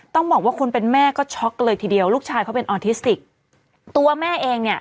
ต้องบอกว่าคนเป็นแม่ก็ช็อกเลยทีเดียวลูกชายเขาเป็นออทิสติกตัวแม่เองเนี่ย